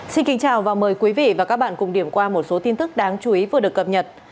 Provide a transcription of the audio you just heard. xin kính chào và mời quý vị và các bạn cùng điểm qua một số tin tức đáng chú ý vừa được cập nhật